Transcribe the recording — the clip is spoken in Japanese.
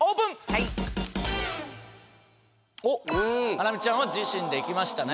はいおっハラミちゃんは自身でいきましたね